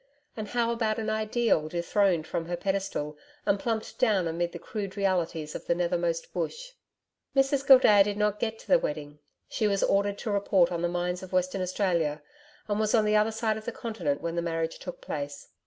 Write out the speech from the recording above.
And how about an Ideal dethroned from her pedestal and plumped down amid the crude realities of the nethermost Bush? Mrs Gildea did not get to the wedding. She was ordered to report on the mines of Western Australia, and was on the other side of the continent when the marriage took place.